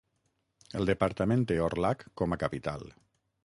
El departament té Orlhac com a capital.